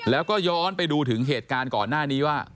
แล้วก็ย้อนไปดูถึงเหตุการณ์ก่อนหน้านี้ว่า